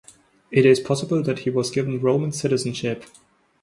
It is possible that he was given Roman citizenship.